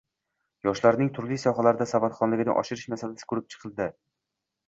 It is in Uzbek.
Yoshlarning turli sohalarda savodxonligini oshirish masalasi ko‘rib chiqilding